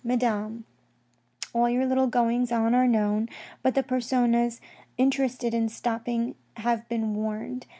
' Madame, All your little goings on are known, but the persons interested in stopping have been warned.